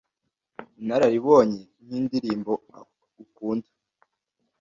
inararibonye nkindirimbo ukunda